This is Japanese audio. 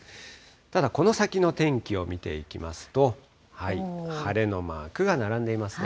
ただ、この先の天気を見ていきますと、晴れのマークが並んでいますね。